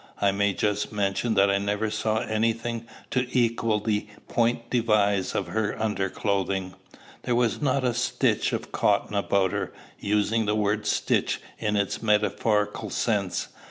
I may just mention that I never saw any thing to equal the point devise of her underclothing. There was not a stitch of cotton about her, using the word stitch in its metaphorical sense.